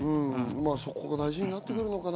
そこが大事になってくるのかな？